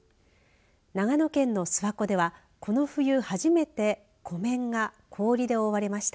長野県の諏訪湖ではこの冬初めて湖面が氷で覆われました。